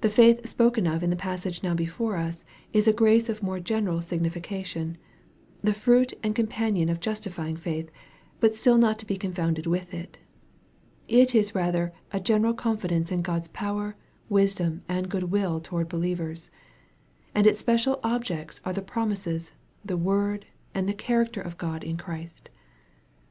The faith spoken of in the passage now before us is a grace of more general signification, the fruit and companion of justifying faith, but still not to be con founded with it. It is rather a general confidence in God's power, wisdom, and goodwill towards believers. And its special objects are the promises, the word, and the character of God in Christ.